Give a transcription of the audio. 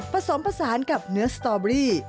ผสมผสานกับเนื้อสตอเบอรี่